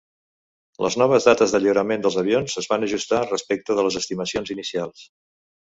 Les noves dates de lliurament dels avions es van ajustar respecte de les estimacions inicials.